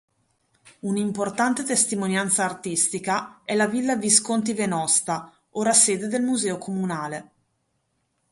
Un'importante testimonianza artistica è la villa Visconti Venosta, ora sede del museo comunale.